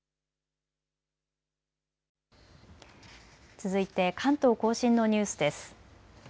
続いて関東甲信のニュースです。